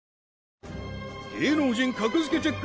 芸能人格付けチェック！